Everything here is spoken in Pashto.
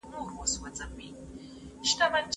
د ارغنداب سیند د خلکو تر منځ د یووالي نښه ده.